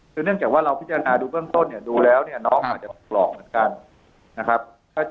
คือเนื่องจากว่าเราพิจารณาดูเบื้องต้นเนี่ยดูแล้วเนี่ยน้องอาจจะปลอกเหมือนกันนะครับ